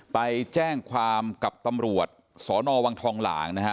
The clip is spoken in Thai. ไปแจ้งความกับตำรวจสนวังทองหลางนะฮะ